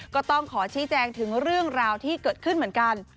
ก็ต้องขอชี้แจงถึงเรื่องราวที่เกิดขึ้นเหมือนกัน